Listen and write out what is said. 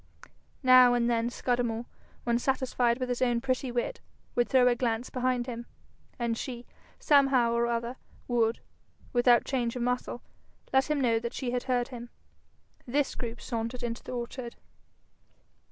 Now and then Scudamore, when satisfied with his own pretty wit, would throw a glance behind him, and she, somehow or other, would, without change of muscle, let him know that she had heard him. This group sauntered into the orchard.